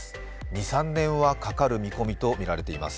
２３年はかかる見込みとみられています。